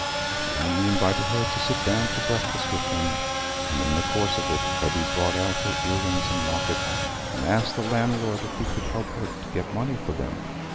She only invited her to sit down to breakfast with them, and in the course of it Hetty brought out her ear rings and locket, and asked the landlord if he could help her to get money for them.